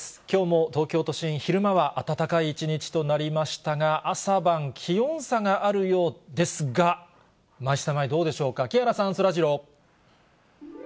きょうも東京都心、昼間は暖かい一日となりましたが、朝晩、気温差があるようですが、マイスタ前、どうでしょうか、木原さん、そらジロー。